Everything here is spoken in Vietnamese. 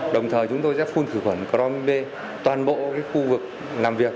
đồng thời chúng tôi sẽ phun thử khuẩn cronb toàn bộ khu vực làm việc